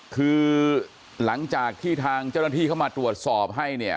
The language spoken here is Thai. คือหลังจากที่ทางเจ้าหน้าที่เข้ามาตรวจสอบให้เนี่ย